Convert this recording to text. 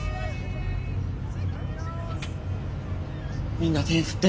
みんな手ぇ振ってんで！